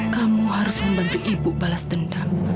kamu harus membantu ibu balas dendam